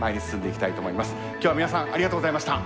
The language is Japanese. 今日は皆さんありがとうございました。